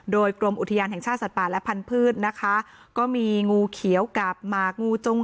โดยกรมอุทยานแห่งชาติสัตว์ป่าและพันธุ์นะคะก็มีงูเขียวกับหมากงูจง